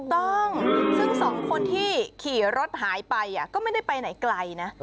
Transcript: ถูกต้องซึ่งสองคนที่ขี่รถหายไปก็ไม่ได้ไปไหนไกลนะ